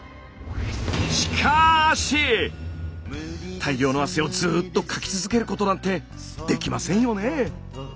大量の汗をずっとかき続けることなんてできませんよね。